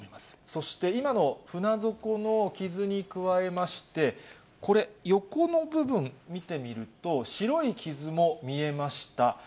そして今の船底の傷にくわえまして、これ、横の部分見てみると、白い傷も見えました。